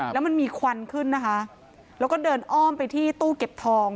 แล้วมันมีควันขึ้นนะคะแล้วก็เดินอ้อมไปที่ตู้เก็บทอง